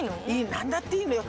なんだっていいのよ。